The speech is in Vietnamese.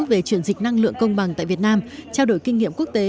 về chuyển dịch năng lượng công bằng tại việt nam trao đổi kinh nghiệm quốc tế